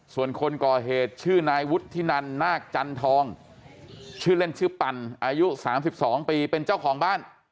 ส่วนคนก่อเหตุชื่อนายวุฒินันนาคจันทองชื่อเล่นชื่อปั่นอายุ๓๒ปีเป็นเจ้าของบ้าน